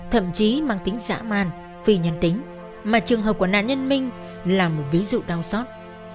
thậm chí mang tính xã man phi nhân tính mà trường hợp của nạn nhân minh là một ví dụ đau xót